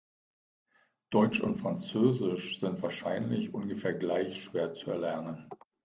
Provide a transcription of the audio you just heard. Deutsch und Französisch sind wahrscheinlich ungefähr gleich schwer zu erlernen.